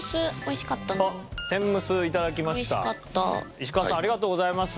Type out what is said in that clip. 石川さんありがとうございます。